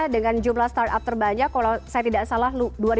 dengan jumlah startup terbanyak kalau saya tidak salah dua tiga ratus